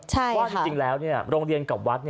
เพราะว่าจริงแล้วรองเรียนกับวัตน์